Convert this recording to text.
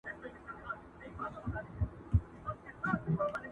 زه مي د شرف له دایرې وتلای نه سمه.